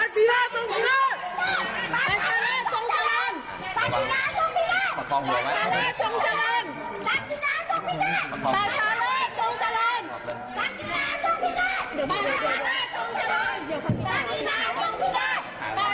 ปัชฌาลักษณ์จงจรรย์ปัชฌาลักษณ์จงจรรย์ปัชฌาลักษณ์จงจรรย์